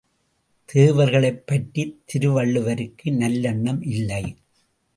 தேவர்களைப் பற்றித் திருவள்ளுவருக்கு நல்லெண்ணம் இல்லை.